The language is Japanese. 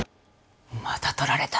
また取られた。